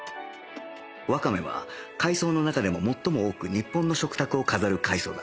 わかめは海藻の中でも最も多く日本の食卓を飾る海藻だ